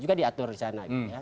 juga diatur sana